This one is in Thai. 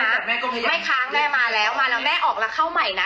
ไม่แต่แม่ก็พยายามไม่ค้างแม่มาแล้วมาแล้วแม่ออกแล้วเข้าใหม่นะ